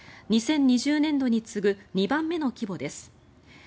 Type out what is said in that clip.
２０２０年度に次ぐ２番目の規模です。